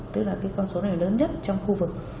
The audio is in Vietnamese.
tức là cái con số này lớn nhất trong khu vực